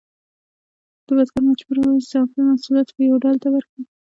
بزګر مجبور و اضافي محصولات فیوډال ته ورکړي.